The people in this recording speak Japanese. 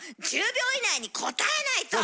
１０秒以内に答えないと。